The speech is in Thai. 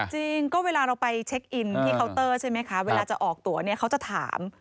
จริงก็เวลาเราไปเช็คอินที่เคาน์เตอร์ใช่ไหมคะเวลาจะออกตัวเนี่ยเขาจะถาม